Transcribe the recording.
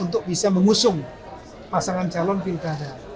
untuk bisa mengusung pasangan calon pilkada